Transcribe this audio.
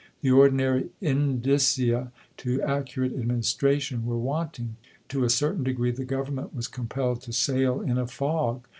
The ordinary in dicia to accurate administration were wanting. To a certain degree the Grovernment was compelled to sail in a fog.